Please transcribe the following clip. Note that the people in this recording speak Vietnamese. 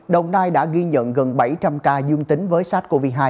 đồng nai đã ghi nhận gần bảy trăm linh ca dương tính với sars cov hai